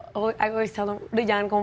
saya selalu beritahu mereka jangan mengeluh